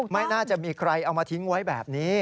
ไม่น่าจะมีใครเอามาทิ้งไว้แบบนี้